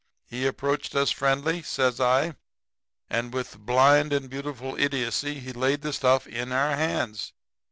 He approached us friendly,' says I, 'and with blind and beautiful idiocy laid the stuff in our hands.